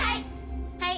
はい。